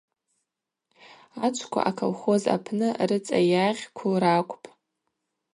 Ачвква аколхоз апны рыцӏа йагъькву ракӏвпӏ.